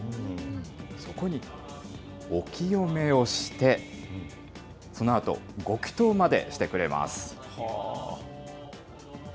そこにお清めをして、そのあとご祈とうまでしてくれます。